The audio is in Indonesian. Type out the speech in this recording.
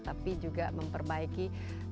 tapi juga memperbaiki